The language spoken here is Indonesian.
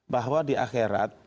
bahwa di akhirat